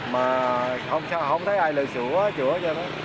mà không thấy ai lựa sửa chữa cho nó